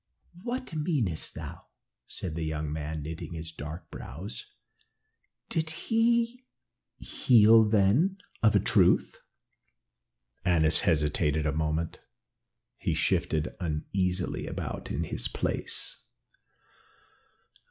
"What meanest thou?" said the young man, knitting his dark brows. "Did he heal then, of a truth?" Annas hesitated a moment, he shifted uneasily about in his place.